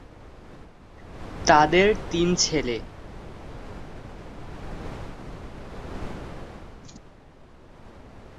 তাদের তিন ছেলে।